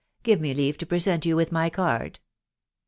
... Give me leave to pnm you with my card."